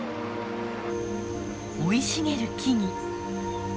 生い茂る木々。